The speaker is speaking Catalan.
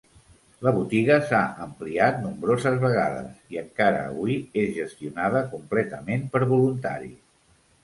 La botiga s'ha ampliat nombroses vegades, i encara avui és gestionada completament per voluntaris.